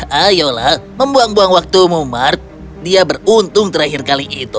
ayolah membuang buang waktumu mart dia beruntung terakhir kali itu